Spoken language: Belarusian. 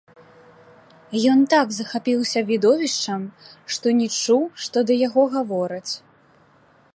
Ён так захапіўся відовішчам, што не чуў, што да яго гавораць.